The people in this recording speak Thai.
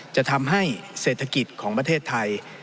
จะทำให้เศรษฐกิจของประเทศไทย